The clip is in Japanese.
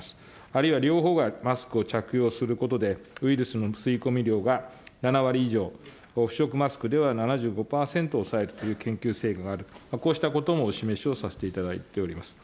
あるいは両方がマスクを着用することで、ウイルスの吸い込み量が７割以上、不織布マスクでは７５％を抑えるという研究成果があると、こうしたこともお示しをさせていただいております。